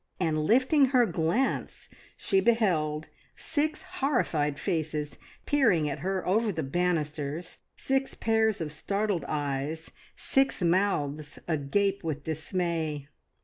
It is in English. and lifting her glance she beheld six horrified faces peering at her over the banisters, six pairs of startled eyes, six mouths agape with dismay.